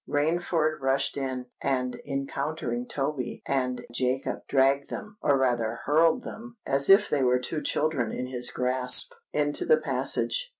Rainford rushed in; and, encountering Toby and Jacob, dragged them—or rather hurled them, as if they were two children in his grasp, into the passage.